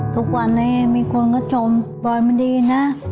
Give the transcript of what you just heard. ทุกวันนี้มีคนก็ชมปลอยมันดีนะ